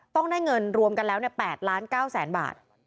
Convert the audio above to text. ต้องได้เงินรวมกันแล้ว๘๙๐๐๐๐๐บาท